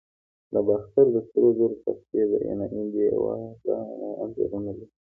د باختر د سرو زرو تختې د یوناني دیوگانو انځورونه لري